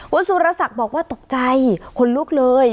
คุณสุรศักดิ์บอกว่าตกใจคนลุกเลย